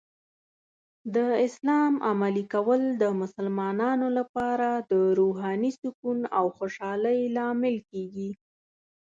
د اسلام عملي کول د مسلمانانو لپاره د روحاني سکون او خوشحالۍ لامل کیږي.